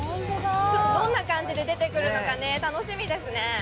どんな感じで出てくるのか楽しみですね。